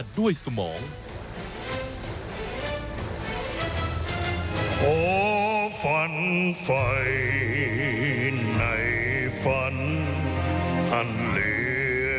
ไม่หวนอีกกับทางงานเดียว